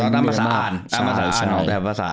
ตามภาษาอ่านตามภาษาอ่านออกแบบภาษา